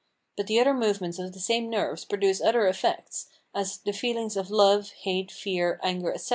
But the other movements of the same nerves produce other effects, as the feelings of love, hate, fear, anger, etc.